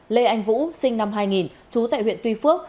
lê anh vũ sinh năm hai nghìn trú tại huyện tuy phước